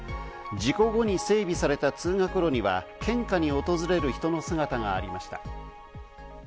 事故後に整備された通学路には献花に訪れる人の姿がありました。